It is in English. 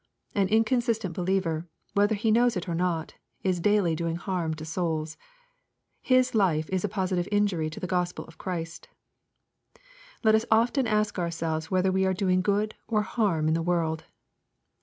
An inconsistent believer, whether he knows it or not, is daily doing harm to souls. His life is a positive injury to the Gospel of Christ. Let us often ask ourselves whether we are doing good or harm in the world.